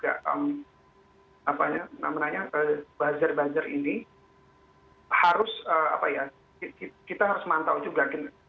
karena apa yang namanya apa namanya buzzer buzzer ini harus apa ya kita harus mantau juga